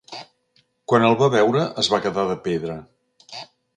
Quan el va veure es va quedar de pedra.